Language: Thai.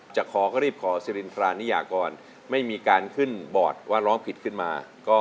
จะขอก็รีบขอซิรินทรานิยากรไม่มีการขึ้นบอร์ดว่าร้องผิดขึ้นมา